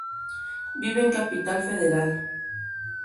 Vive en Capital Federal.